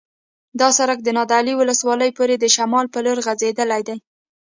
دا سرک د نادعلي ولسوالۍ پورې د شمال په لور غځېدلی دی